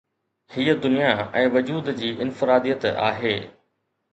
هيءَ دنيا ۽ وجود جي انفراديت آهي.